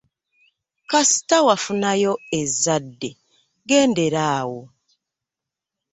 Kasita wafunayo ezzadde gendera awo.